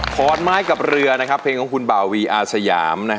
ขอนไม้กับเรือเพลงของคุณบ่าวีอาสยาม